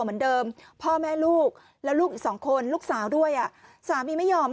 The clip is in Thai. เหมือนเดิมพ่อแม่ลูกแล้วลูกอีกสองคนลูกสาวด้วยสามีไม่ยอม